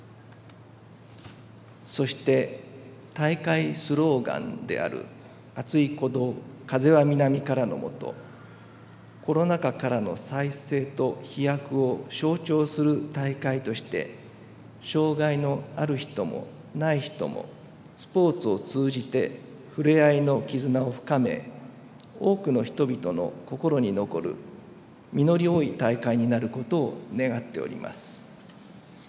そして、大会スローガンである「熱い鼓動風は南から」の下コロナ禍からの再生と飛躍を象徴する大会として障害のある人も、ない人もスポーツを通じてふれあいの絆を深め多くの人々の心に残る実り多い大会になることを願っております。